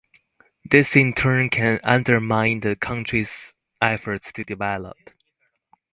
This in turn can undermine the country's efforts to develop.